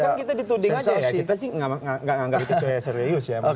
kan kita dituding aja ya kita sih nggak anggap itu serius ya